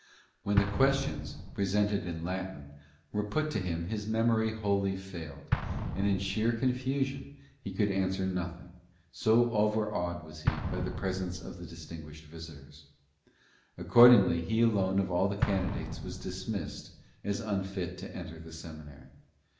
When the questions, presented in Latin, were put to him his memory wholly failed, and in sheer confusion he could answer nothing, so overawed was he by the presence of the distinguished visitors. Accordingly, he alone of all the candidates was dismissed as unfit to enter the seminary.